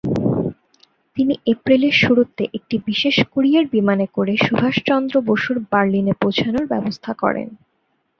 তিনি এপ্রিলের শুরুতে, একটি বিশেষ কুরিয়ার বিমানে করে সুভাষচন্দ্র বসুর বার্লিনে পৌছানোর ব্যবস্থা করেন।